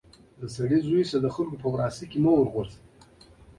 ټول اولادونه لري، دا یوه طبیعي خبره ده، ته ډېره ښه یې.